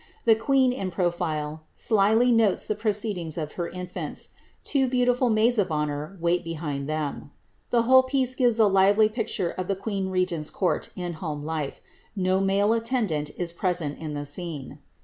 1*lie queen, in profdr, slily notes the proceedings of her infants. Two beautiful maids of honour wait behind tliem. The whole gives a lively 10 HBHRIXTTA MAKIA. pictnre of the queenHfVf^t's court, in home life. No male attendant in prenent in the scene.